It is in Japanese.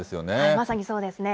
まさにそうですね。